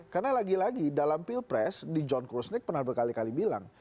karena lagi lagi dalam pilpres di john kruznick pernah berkali kali bilang